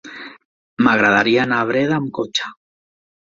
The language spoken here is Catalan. M'agradaria anar a Breda amb cotxe.